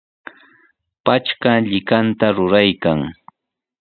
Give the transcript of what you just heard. Patrka llikanta ruraykan.